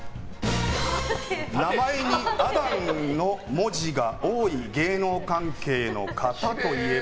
名前にあ段の文字が多い芸能関係の方といえば？